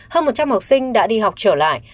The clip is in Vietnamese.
hơn một trăm linh học sinh đã đi học trở lại